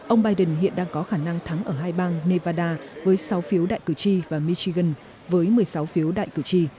ông biden hiện đang có khả năng thắng ở hai bang nevada với sáu phiếu đại cử tri và michigan với một mươi sáu phiếu đại cử tri